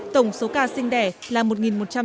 tổng số ca sinh đẻ là một một trăm tám mươi ca